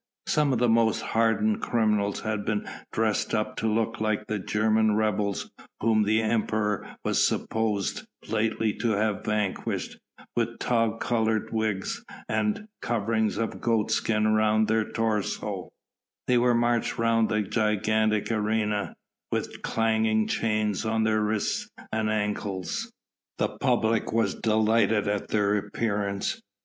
Some of the most hardened criminals had been dressed up to look like the German rebels whom the Emperor was supposed lately to have vanquished, with tow coloured wigs and coverings of goatskin around their torso: they were marched round the gigantic arena, with clanging chains on their wrists and ankles. The public was delighted at their appearance.